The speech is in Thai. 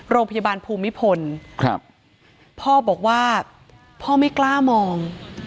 โรงพยาบาลภูมิพลครับพ่อบอกว่าพ่อไม่กล้ามอง